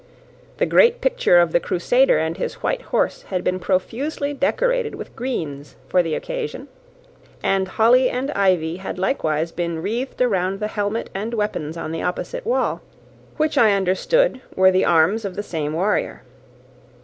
The great picture of the crusader and his white horse had been profusely decorated with greens for the occasion; and holly and ivy had likewise been wreathed around the helmet and weapons on the opposite wall, which I understood were the arms of the same warrior.